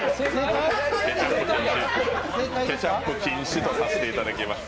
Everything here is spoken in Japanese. ケチャップ禁止とさせていただきます。